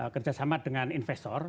kerjasama dengan investor